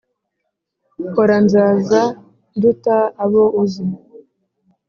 hora nzaza nduta abo uzi